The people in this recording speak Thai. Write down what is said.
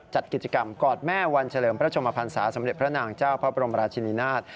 จัดกิจกรรมกอดแม่วันเฉลิมพระชมพันศาสมเด็จพระนางเจ้าพระบรมราชินินาศ